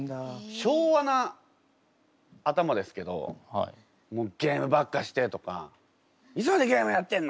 昭和な頭ですけど「もうゲームばっかして」とか「いつまでゲームやってんの！」